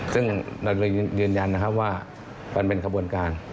ซึ่งเรายืนยันนะครับว่ามันเป็นขบวนการ